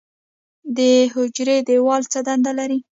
د حجرې دیوال څه دنده لري؟